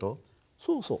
そうそう。